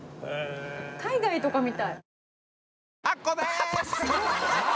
海外とかみたい。